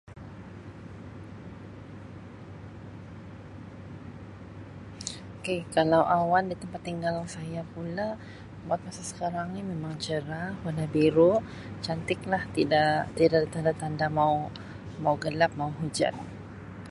K kalau awan di tempat tinggal saya pula buat masa sekarang ni memang cerah warna biru, cantik lah tidak tidak tanda-tanda mau mau gelap mau hujan.